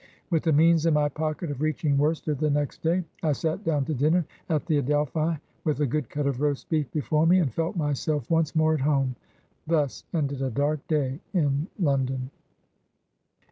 With the means in my pocket of reaching Worcester the next day, I sat down to dinner at the Adelphi with a good cut of roast beef before me, and felt myself once more at home. Thus ended a dark day in London."